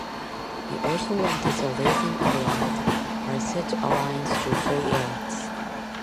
It also limited the leasing of land by said aliens to three years.